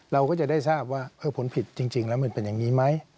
เราก็จะได้ทราบว่าผลผิดจริงแล้วมันเป็นอย่างนี้ไหม